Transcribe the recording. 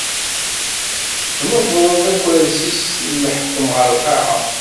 Tnefḍeḍ akersi-s n leḥkem ɣer lqaɛa.